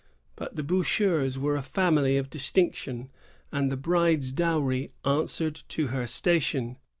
^ But the Bocharts wer« a family of distinction, and the bride's dowry answered to ner station.